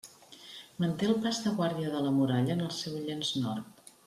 Manté el pas de guàrdia de la muralla en el seu llenç nord.